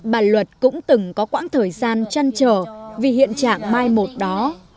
bà luật cũng từng có quãng thời gian chăn trở vì hiện trạng mai một đó